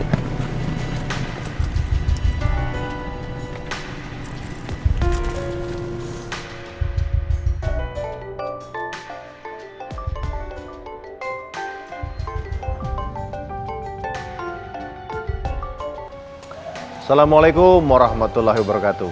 assalamualaikum warahmatullahi wabarakatuh